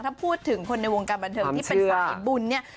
ถ้าพูดถึงคนในวงการบันเทิงที่เป็นสายบุญเนี่ย